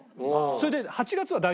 それで。